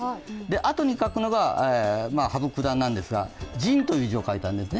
あとに書くのが羽生九段なんですが「仁」と書いたんですね。